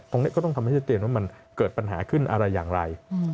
ตรงนี้ก็ต้องทำให้ชัดเจนว่ามันเกิดปัญหาขึ้นอะไรอย่างไร